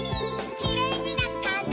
「きれいになったね」